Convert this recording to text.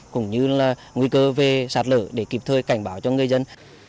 cũng như là nguy cơ về sạt lở để kịp thời cảnh báo cho người dân